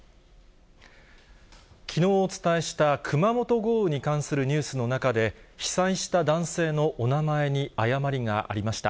きのうお伝えした熊本豪雨に関するニュースの中で、被災した男性のお名前に誤りがありました。